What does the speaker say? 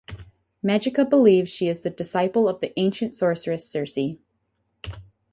Magica believes she is the disciple of the ancient sorceress Circe.